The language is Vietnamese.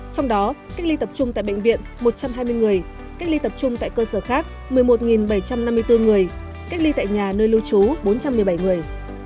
trong đó cách ly tập trung tại bệnh viện một trăm hai mươi người cách ly tập trung tại cơ sở khác một mươi một bảy trăm năm mươi bốn người cách ly tại nhà nơi lưu trú bốn trăm một mươi bảy người